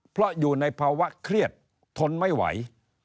เพราะอยู่ในภาวะเครียดทนไม่ไหว